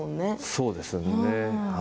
そうですね。